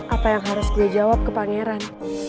apa yang harus gue jawab ke pangeran